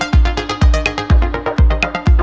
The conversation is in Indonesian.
ya dimainnya menit historia